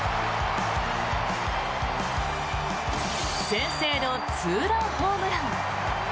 先制のツーランホームラン。